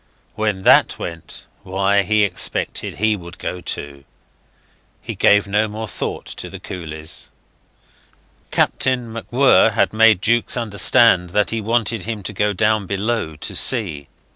When that went, why, he expected he would go, too. He gave no more thought to the coolies. Captain MacWhirr had made Jukes understand that he wanted him to go down below to see.